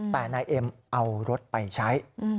แต่นายเอ็มเอารถไปใช้